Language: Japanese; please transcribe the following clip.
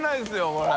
これ。